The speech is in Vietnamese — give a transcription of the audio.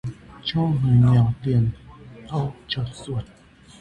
Cho người nghèo tiền, đau chợt ruột